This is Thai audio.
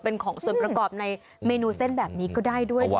เป็นของส่วนประกอบในเมนูเส้นแบบนี้ก็ได้ด้วยนะคะ